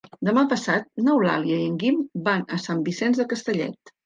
Demà passat n'Eulàlia i en Guim van a Sant Vicenç de Castellet.